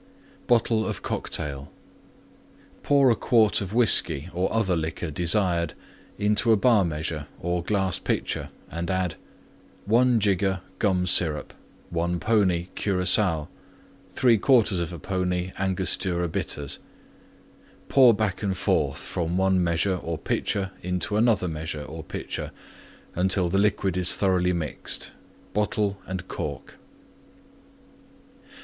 BOTTLE OF COCKTAIL Pour a quart of Whiskey or other Liquor desired into a Bar measure or glass pitcher and add: 1 jigger Gum Syrup. 1 pony Curacoa. 3/4 pony Angostura Bitters. Pour back and forth from one measure or pitcher into another measure or pitcher until the liquid is thoroughly mixed. Bottle and cork.